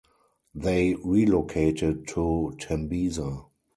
They relocated to Tembisa.